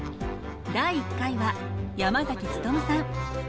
第１回は山努さん。